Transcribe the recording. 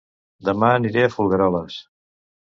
Dema aniré a Folgueroles